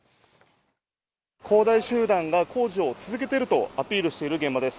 恒大集団が工事を続けているとアピールしている現場です。